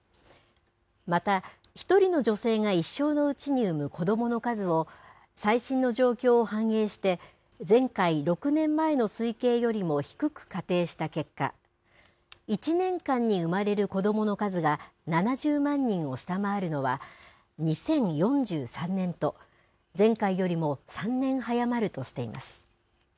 また、１人の女性が一生のうちに産む子どもの数を、最新の状況を反映して、前回・６年前の推計よりも低く仮定した結果、１年間に生まれる子どもの数が７０万人を下回るのは、２０４３年と、前回よりも３年早まるとしています。